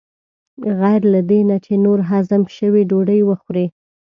غیر له دې نه چې نور هضم شوي ډوډۍ وخورې.